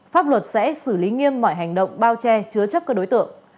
pháp luật sẽ xử lý nghiêm mọi hành động bao che chứa chấp các đối tượng